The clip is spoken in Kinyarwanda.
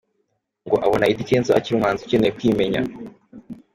Ngo abona Eddy Kenzo akiri umuhanzi ukeneye kwimenya.